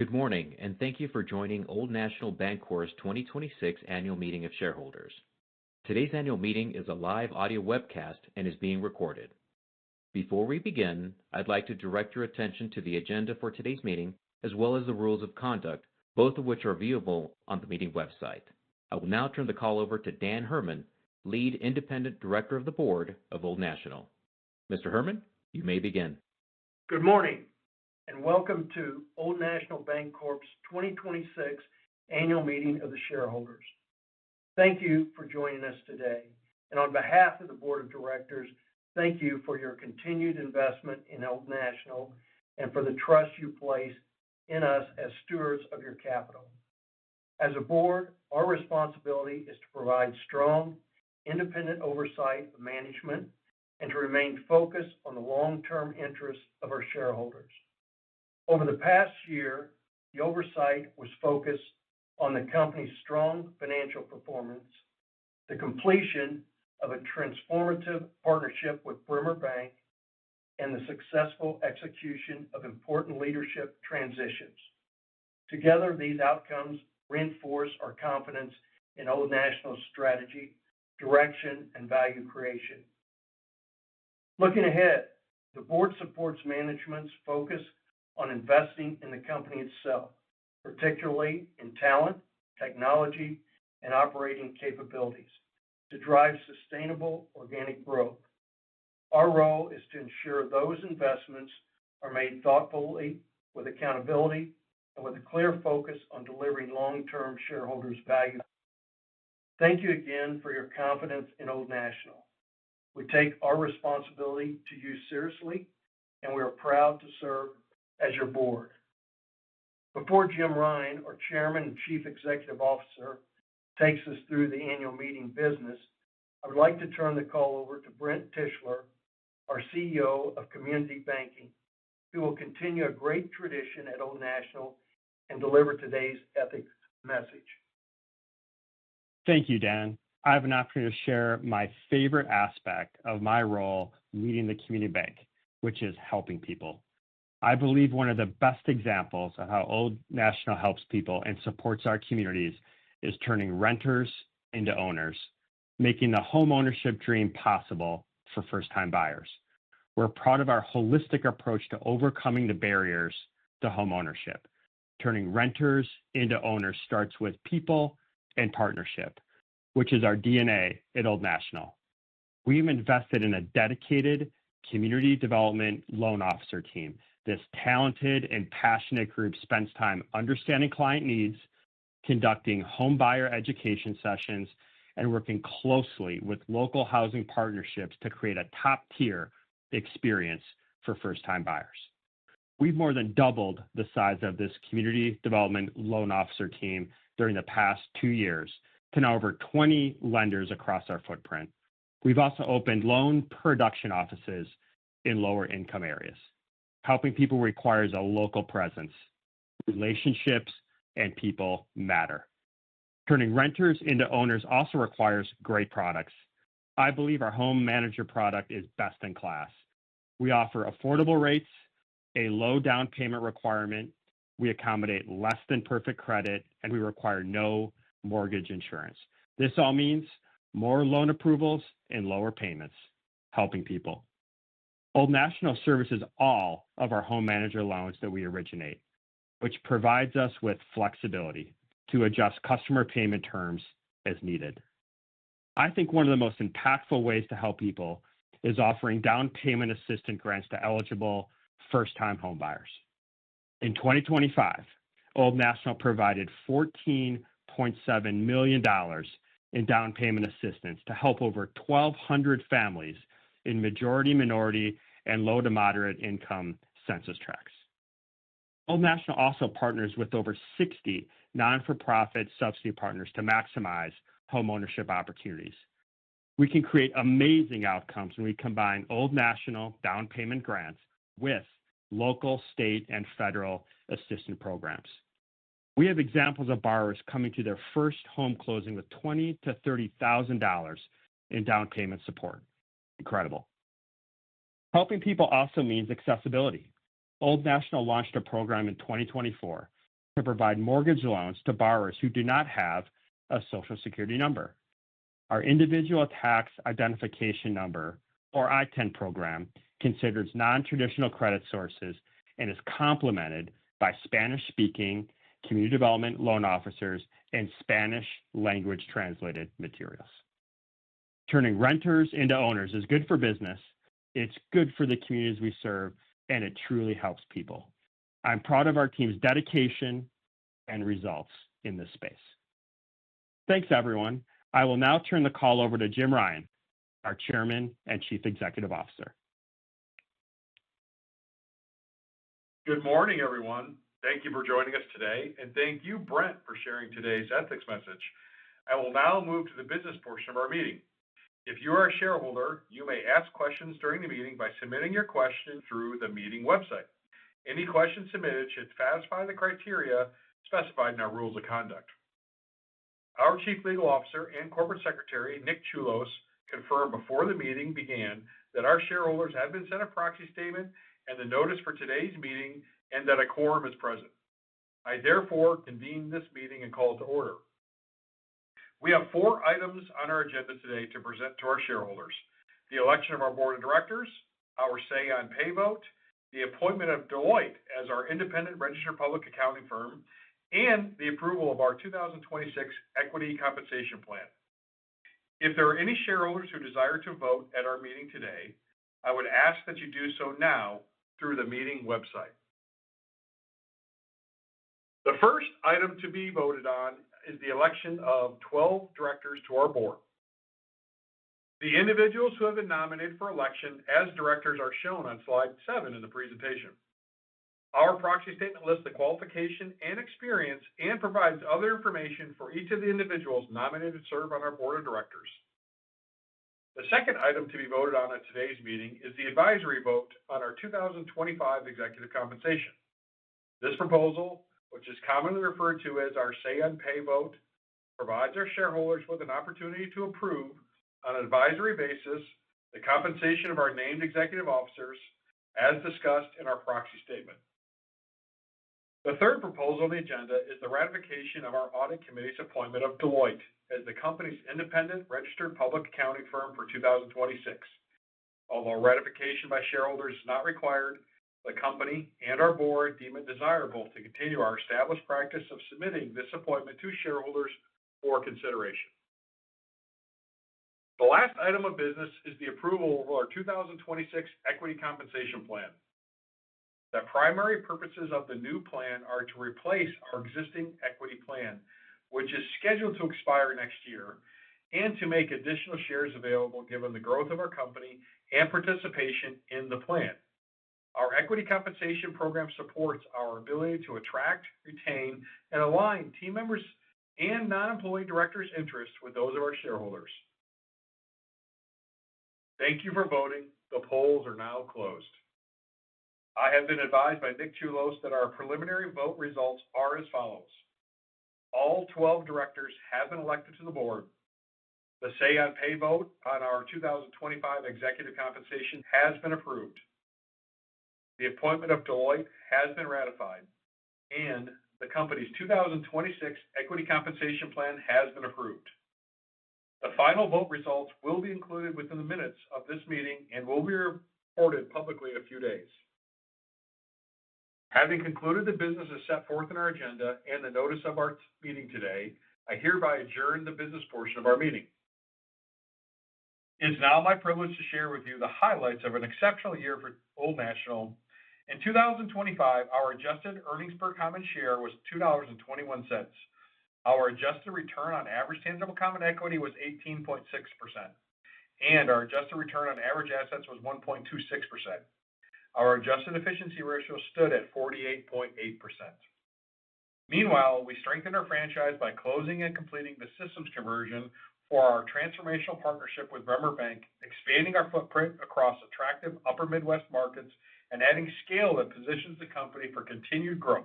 Good morning, thank you for joining Old National Bancorp's 2026 Annual Meeting of Shareholders. Today's annual meeting is a live audio webcast and is being recorded. Before we begin, I'd like to direct your attention to the agenda for today's meeting, as well as the rules of conduct, both of which are viewable on the meeting website. I will now turn the call over to Daniel S. Hermann, Lead Independent Director of the board of Old National. Mr. Hermann, you may begin. Good morning, and welcome to Old National Bancorp's 2026 Annual Meeting of the Shareholders. Thank you for joining us today. On behalf of the board of directors, thank you for your continued investment in Old National and for the trust you place in us as stewards of your capital. As a board, our responsibility is to provide strong, independent oversight of management and to remain focused on the long-term interests of our shareholders. Over the past year, the oversight was focused on the company's strong financial performance, the completion of a transformative partnership with Bremer Bank, and the successful execution of important leadership transitions. Together, these outcomes reinforce our confidence in Old National's strategy, direction, and value creation. Looking ahead, the board supports management's focus on investing in the company itself, particularly in talent, technology, and operating capabilities to drive sustainable organic growth. Our role is to ensure those investments are made thoughtfully with accountability and with a clear focus on delivering long-term shareholders' value. Thank you again for your confidence in Old National. We take our responsibility to you seriously, and we are proud to serve as your board. Before Jim Ryan, our Chairman and Chief Executive Officer, takes us through the annual meeting business, I would like to turn the call over to Brent Tischler, our CEO of Community Banking, who will continue a great tradition at Old National and deliver today's ethics message. Thank you, Dan. I have an opportunity to share my favorite aspect of my role leading the community bank, which is helping people. I believe one of the best examples of how Old National helps people and supports our communities is turning renters into owners, making the homeownership dream possible for first-time buyers. We're proud of our holistic approach to overcoming the barriers to homeownership. Turning renters into owners starts with people and partnership, which is our DNA at Old National. We've invested in a dedicated community development loan officer team. This talented and passionate group spends time understanding client needs, conducting home buyer education sessions, and working closely with local housing partnerships to create a top-tier experience for first-time buyers. We've more than doubled the size of this community development loan officer team during the past two years to now over 20 lenders across our footprint. We've also opened loan production offices in lower-income areas. Helping people requires a local presence. Relationships and people matter. Turning renters into owners also requires great products. I believe our Home Manager product is best in class. We offer affordable rates, a low down payment requirement, we accommodate less than perfect credit, and we require no mortgage insurance. This all means more loan approvals and lower payments, helping people. Old National services all of our Home Manager loans that we originate, which provides us with flexibility to adjust customer payment terms as needed. I think one of the most impactful ways to help people is offering down payment assistance grants to eligible first-time home buyers. In 2025, Old National provided $14.7 million in down payment assistance to help over 1,200 families in majority minority and low to moderate income census tracts. Old National also partners with over 60 nonprofit subsidy partners to maximize homeownership opportunities. We can create amazing outcomes when we combine Old National down payment grants with local, state, and federal assistance programs. We have examples of borrowers coming to their first home closing with $20,000-$30,000 in down payment support. Incredible. Helping people also means accessibility. Old National launched a program in 2024 to provide mortagage loans to borrowers who do not have a Social Security number. Our Individual Taxpayer Identification Number, or ITIN program, considers non-traditional credit sources and is complemented by Spanish-speaking community development loan officers and Spanish language translated materials. Turning renters into owners is good for business, it's good for the communities we serve, and it truly helps people. I'm proud of our team's dedication and results in this space. Thanks, everyone. I will now turn the call over to Jim Ryan, our Chairman and Chief Executive Officer. Good morning, everyone. Thank you for joining us today. Thank you, Brent, for sharing today's ethics message. I will now move to the business portion of our meeting. If you are a shareholder, you may ask questions during the meeting by submitting your question through the meeting website. Any questions submitted should satisfy the criteria specified in our rules of conduct. Our Chief Legal Officer and Corporate Secretary, Nick Chulos, confirmed before the meeting began that our shareholders have been sent a proxy statement and the notice for today's meeting and that a quorum is present. I therefore convene this meeting and call to order. We have four items on our agenda today to present to our shareholders. The election of our board of directors, our say on pay vote, the appointment of Deloitte as our independent registered public accounting firm, and the approval of our 2026 equity compensation plan. If there are any shareholders who desire to vote at our meeting today, I would ask that you do so now through the meeting website. The first item to be voted on is the election of 12 directors to our board. The individuals who have been nominated for election as directors are shown on slide 7 in the presentation. Our proxy statement lists the qualification and experience and provides other information for each of the individuals nominated to serve on our board of directors. The second item to be voted on at today's meeting is the advisory vote on our 2025 executive compensation. This proposal, which is commonly referred to as our say on pay vote, provides our shareholders with an opportunity to approve on an advisory basis the compensation of our named executive officers as discussed in our proxy statement. The third proposal on the agenda is the ratification of our audit committee's appointment of Deloitte as the company's independent registered public accounting firm for 2026. Although ratification by shareholders is not required, the company and our board deem it desirable to continue our established practice of submitting this appointment to shareholders for consideration. The last item of business is the approval of our 2026 equity compensation plan. The primary purposes of the new plan are to replace our existing equity plan, which is scheduled to expire next year, and to make additional shares available given the growth of our company and participation in the plan. Our equity compensation program supports our ability to attract, retain, and align team members and non-employee directors' interests with those of our shareholders. Thank you for voting. The polls are now closed. I have been advised by Nick Chulos that our preliminary vote results are as follows. All 12 directors have been elected to the board. The say on pay vote on our 2025 executive compensation has been approved. The appointment of Deloitte has been ratified, the company's 2026 equity compensation plan has been approved. The final vote results will be included within the minutes of this meeting and will be reported publicly in a few days. Having concluded the business as set forth in our agenda and the notice of our meeting today, I hereby adjourn the business portion of our meeting. It's now my privilege to share with you the highlights of an exceptional year for Old National. In 2025, our adjusted earnings per common share was $2.21. Our adjusted return on average tangible common equity was 18.6%, our adjusted return on average assets was 1.26%. Our adjusted efficiency ratio stood at 48.8%. Meanwhile, we strengthened our franchise by closing and completing the systems conversion for our transformational partnership with Bremer Bank, expanding our footprint across attractive upper Midwest markets and adding scale that positions the company for continued growth.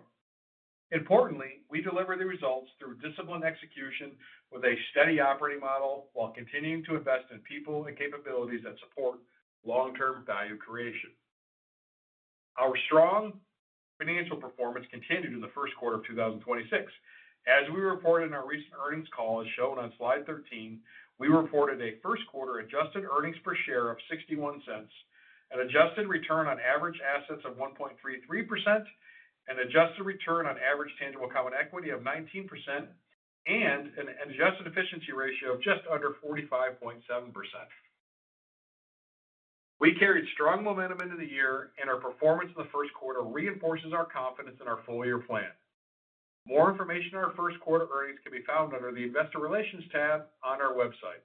Importantly, we deliver the results through disciplined execution with a steady operating model while continuing to invest in people and capabilities that support long-term value creation. Our strong financial performance continued in the first quarter of 2026. As we reported in our recent earnings call, as shown on slide 13, we reported a first quarter adjusted earnings per share of $0.61, an adjusted return on average assets of 1.33%, an adjusted return on average tangible common equity of 19%, and an adjusted efficiency ratio of just under 45.7%. We carried strong momentum into the year, and our performance in the first quarter reinforces our confidence in our full year plan. More information on our first quarter earnings can be found under the Investor Relations tab on our website.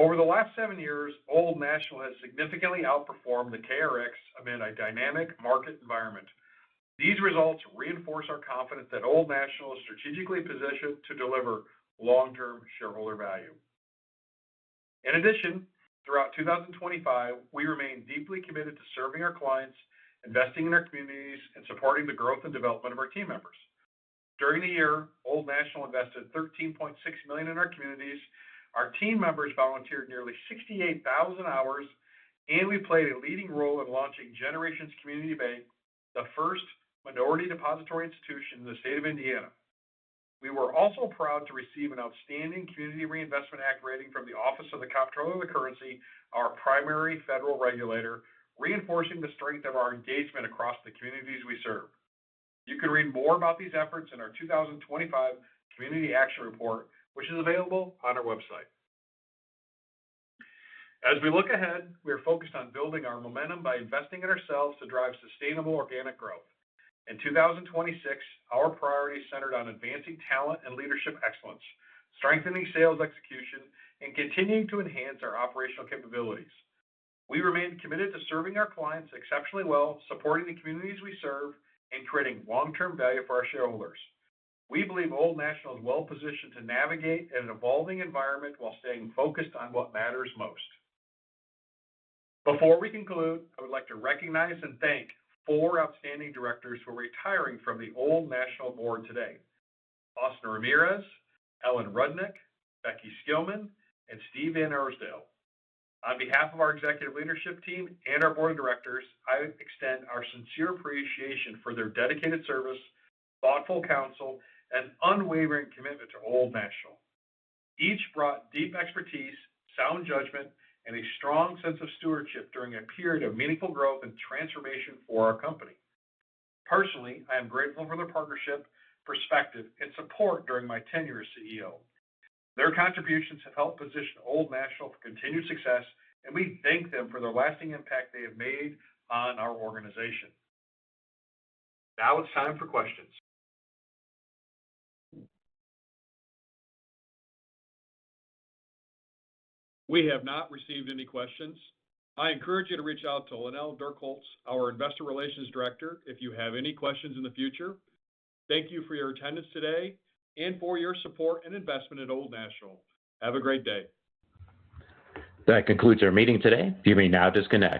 Over the last 7 years, Old National has significantly outperformed the KRX amid a dynamic market environment. These results reinforce our confidence that Old National is strategically positioned to deliver long-term shareholder value. In addition, throughout 2025, we remain deeply committed to serving our clients, investing in our communities, and supporting the growth and development of our team members. During the year, Old National invested $13.6 million in our communities, our team members volunteered nearly 68,000 hours, and we played a leading role in launching Generations Community Bank, the first minority depository institution in the state of Indiana. We were also proud to receive an outstanding Community Reinvestment Act rating from the Office of the Comptroller of the Currency, our primary federal regulator, reinforcing the strength of our engagement across the communities we serve. You can read more about these efforts in our 2025 Community Action Report, which is available on our website. As we look ahead, we are focused on building our momentum by investing in ourselves to drive sustainable organic growth. In 2026, our priority is centered on advancing talent and leadership excellence, strengthening sales execution, and continuing to enhance our operational capabilities. We remain committed to serving our clients exceptionally well, supporting the communities we serve, and creating long-term value for our shareholders. We believe Old National is well-positioned to navigate in an evolving environment while staying focused on what matters most. Before we conclude, I would like to recognize and thank four outstanding directors who are retiring from the Old National Board today. Austin M. Ramirez, Ellen A. Rudnick, Becky Skillman, and Stephen C. Van Arsdell. On behalf of our executive leadership team and our board of directors, I extend our sincere appreciation for their dedicated service, thoughtful counsel, and unwavering commitment to Old National. Each brought deep expertise, sound judgment, and a strong sense of stewardship during a period of meaningful growth and transformation for our company. Personally, I am grateful for their partnership, perspective, and support during my tenure as CEO. Their contributions have helped position Old National for continued success, and we thank them for the lasting impact they have made on our organization. Now it's time for questions. We have not received any questions. I encourage you to reach out to Lynelle Durkosh, our investor relations director, if you have any questions in the future. Thank you for your attendance today and for your support and investment at Old National. Have a great day. That concludes our meeting today. You may now disconnect.